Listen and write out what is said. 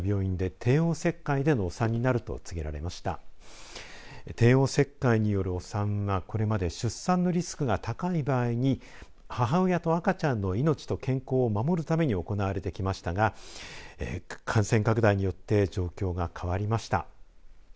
帝王切開によるお産はこれまで出産のリスクが高い場合に母親と赤ちゃんの命と健康を守るために行われてきましたが感染拡大によって状況が変わりました。